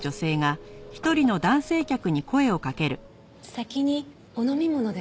先にお飲み物でも。